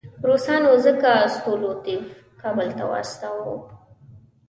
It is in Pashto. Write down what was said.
روسانو ځکه ستولیتوف کابل ته واستاوه.